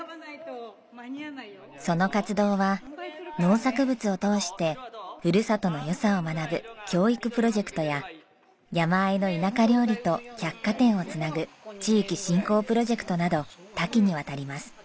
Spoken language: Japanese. その活動は農作物を通してふるさとの良さを学ぶ教育プロジェクトや山あいの田舎料理と百貨店を繋ぐ地域振興プロジェクトなど多岐にわたります。